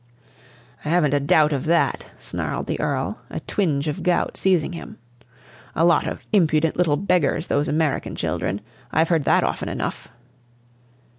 "I haven't a doubt of that," snarled the Earl, a twinge of gout seizing him. "A lot of impudent little beggars, those American children; I've heard that often enough."